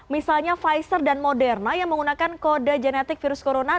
misalnya pfizer dan moderna yang menggunakan kode genetik virus corona